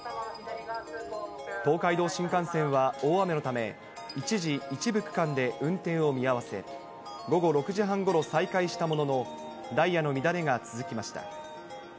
東海道新幹線は大雨のため、一時、一部区間で運転を見合わせ、午後６時半ごろ再開したものの、ダイヤの乱れが続きました。